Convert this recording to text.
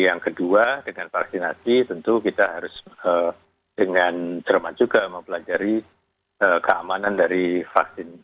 yang kedua dengan vaksinasi tentu kita harus dengan cermat juga mempelajari keamanan dari vaksin